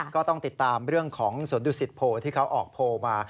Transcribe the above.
ก็ต้องติดตามเรื่องของสวนดุสิตโพที่เขาออกโพลมา